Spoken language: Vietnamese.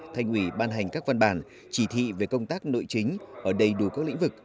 thành ủy ban hành các văn bản chỉ thị về công tác nội chính ở đầy đủ các lĩnh vực